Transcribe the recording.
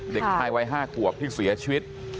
เด็กชายวัย๕ขวบที่เสียชีวิต